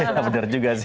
ya bener juga sih